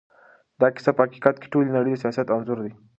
دا کيسه په حقیقت کې د ټولې نړۍ د سياست انځور دی.